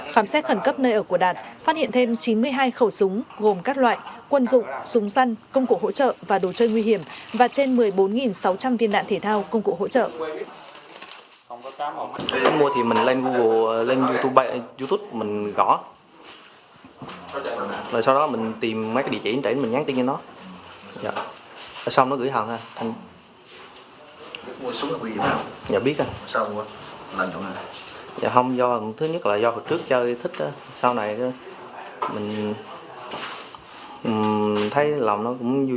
phám xét khẩn cấp nơi ở của đạt phát hiện thêm chín mươi hai khẩu súng gồm các loại quân dụng súng săn công cụ hỗ trợ và đối chơi nguy hiểm và trên một mươi bốn sáu trăm linh viên đạn thể thao công cụ hỗ trợ